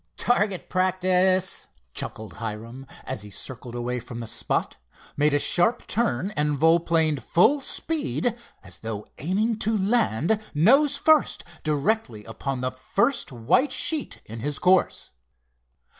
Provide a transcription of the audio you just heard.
"Target practice!" chuckled Hiram, as he circled away from the spot, made a sharp turn and volplaned full speed, as though aiming to land, nose first, directly upon the first white sheet in his course.